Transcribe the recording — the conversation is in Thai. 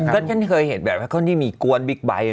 ก็ฉันเคยเห็นแบบว่าคนที่มีกวนบิ๊กไบท์